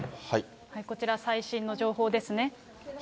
こちら最新の情報ですね。